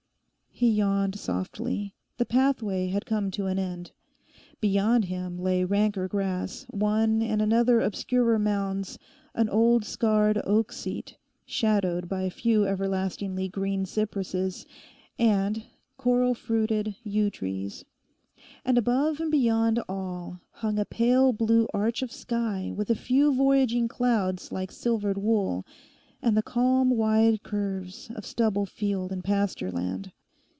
'... He yawned softly; the pathway had come to an end. Beyond him lay ranker grass, one and another obscurer mounds, an old scarred oak seat, shadowed by a few everlastingly green cypresses and coral fruited yew trees. And above and beyond all hung a pale blue arch of sky with a few voyaging clouds like silvered wool, and the calm wide curves of stubble field and pasture land.